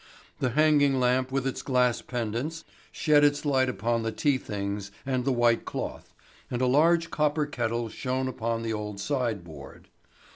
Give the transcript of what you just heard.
The hanging lamp with its glass pendants shed its light upon the tea things and the white cloth, and a large copper kettle shone upon the old sideboard.